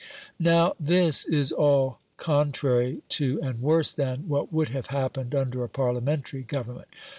Now this is all contrary to and worse than what would have happened under a Parliamentary government.